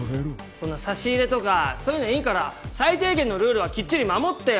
そんな差し入れとかそういうのいいから最低限のルールはきっちり守ってよ！